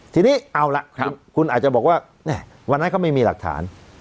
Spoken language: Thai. ทีนี้เอาล่ะคุณอาจจะบอกว่าวันนั้นเขาไม่มีหลักฐาน